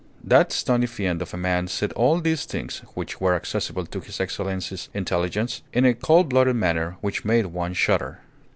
That stony fiend of a man said all these things (which were accessible to His Excellency's intelligence) in a coldblooded manner which made one shudder.